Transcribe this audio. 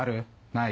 ない？